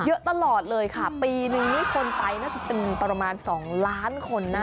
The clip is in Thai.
เยอะตลอดเลยค่ะปีนึงนี่คนไปน่าจะเป็นประมาณ๒ล้านคนนะ